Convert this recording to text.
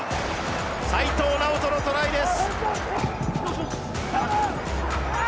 齋藤直人のトライです。